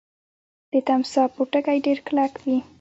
د تمساح پوټکی ډیر کلک وي